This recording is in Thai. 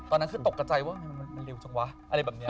ตอนนั้นคือตกกระใจว่ามันเร็วจังวะอะไรแบบนี้